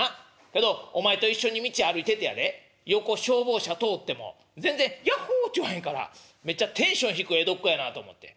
けどお前と一緒に道歩いててやで横消防車通っても全然ヤッホーって言わへんからめっちゃテンション低い江戸っ子やなと思って」。